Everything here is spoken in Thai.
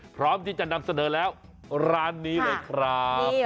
พร้อมที่จะนำเสนอแล้วร้านนี้เลยครับ